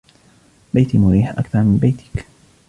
بيتي مريح أكثر من بيتك.